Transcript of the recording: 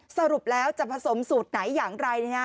สรุปแล้วจะผสมสูตรไหนอย่างไร